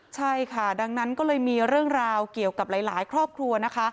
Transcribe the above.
ใช่ค่ะดังนั้นก็เลยมีเรื่องราวเกี่ยวกับหลายครอบครัวนะคะ